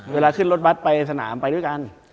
เวลาขึ้นรถบัตรไปสนามไปด้วยกัน